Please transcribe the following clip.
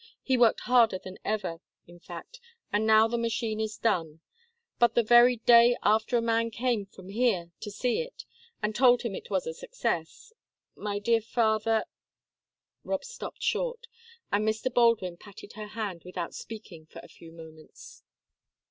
He worked harder than ever, in fact, and now the machine is done. But the very day after a man came from here to see it, and told him it was a success, my dear father " Rob stopped short, and Mr. Baldwin patted her hand without speaking for a few moments.